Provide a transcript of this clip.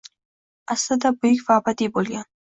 Aslida buyuk va abadiy bo’lgan.